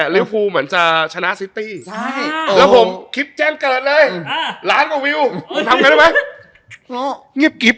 เรียบร้อย